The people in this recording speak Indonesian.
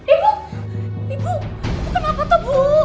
ibu ibu kenapa tuh bu